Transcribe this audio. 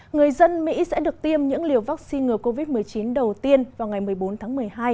người dân mỹ sẽ được tiêm những liều vaccine ngừa covid một mươi chín đầu tiên vào ngày một mươi bốn tháng một mươi hai